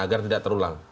agar tidak terulang